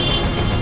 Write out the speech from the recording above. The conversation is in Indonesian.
oh ya silahkan